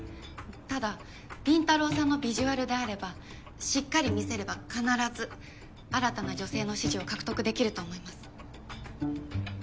ただ倫太郎さんのビジュアルであればしっかり見せれば必ず新たな女性の支持を獲得できると思います。